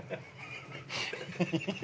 フフフフ！